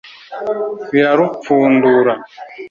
birarupfundura